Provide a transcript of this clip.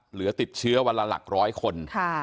เหลือติดเชื้อวันละหลักร้อยคน